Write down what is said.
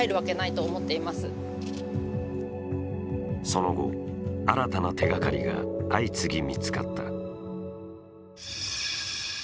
その後、新たな手がかりが相次ぎ見つかった。